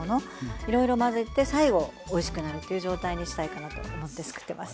いろいろまぜて最後おいしくなるっていう状態にしたいかなと思ってつくってます。